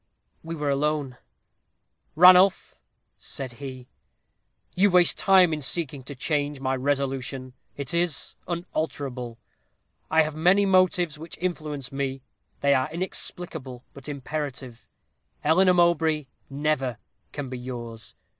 We were alone. "'Ranulph,' said he, 'you waste time in seeking to change my resolution. It is unalterable. I have many motives which influence me; they are inexplicable, but imperative. Eleanor Mowbray never can be yours.